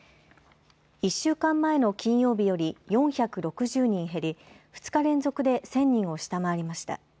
１週間前の金曜日より４６０人減り、２日連続で１０００人を下回りました。